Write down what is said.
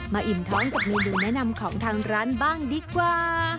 อิ่มท้องกับเมนูแนะนำของทางร้านบ้างดีกว่า